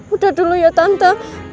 udah dulu ya tante